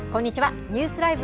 ニュースＬＩＶＥ！